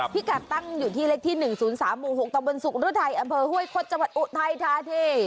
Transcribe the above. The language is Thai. พี่กัดตั้งอยู่ที่เล็กที่๑๐๓๖ตบสุขุนุทรไทยอำเภอห้วยควดจอุไทยทาเท